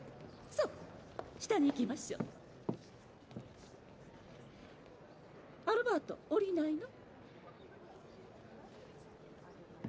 そう下に行きましょうアルバート降りないの？